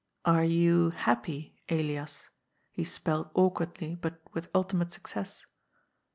"Are you happy, Elias?" he spelled awkwardly, but with ultimate success.